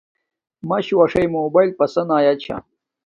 ماشو اݽی موباݵل پسند ایا چھا